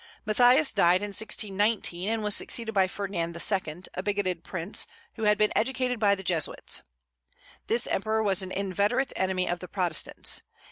Matthias died in 1619, and was succeeded by Ferdinand II., a bigoted prince, who had been educated by the Jesuits. This emperor was an inveterate enemy of the Protestants.